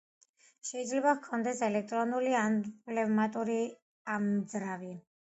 შეიძლება ჰქონდეს ელექტრული ან პნევმატიკური ამძრავი.